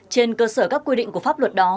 trên cơ sở các quy định của pháp luật đó